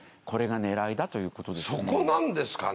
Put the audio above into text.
これが狙いだということです。